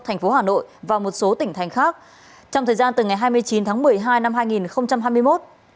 thành phố hà nội và một số tỉnh thành khác trong thời gian từ ngày hai mươi chín tháng một mươi hai năm hai nghìn hai mươi một